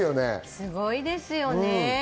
すごいですよね。